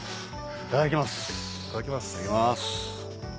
いただきます。